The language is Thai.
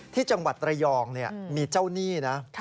ที่จังหวัดระยองมีเจ้าหนี้นะ